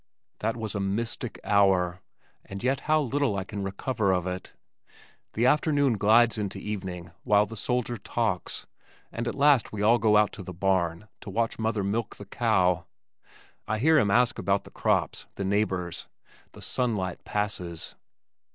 That was a mystic hour and yet how little I can recover of it! The afternoon glides into evening while the soldier talks, and at last we all go out to the barn to watch mother milk the cow. I hear him ask about the crops, the neighbors. The sunlight passes.